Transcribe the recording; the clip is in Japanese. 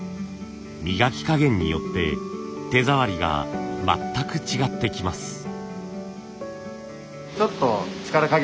磨き加減によって手触りが全く違ってきます。